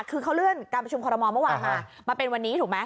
คือเขาเลื่อนการประชุมคอรมอลเมื่อวานมามาเป็นวันนี้ถูกไหม